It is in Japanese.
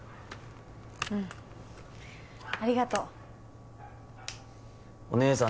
うんありがとうおねえさん